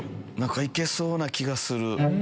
行けそうな気がする。